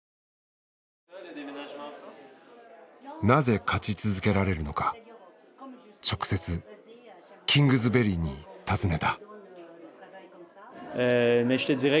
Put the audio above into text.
なぜ勝ち続けられるのか直接キングズベリーに尋ねた。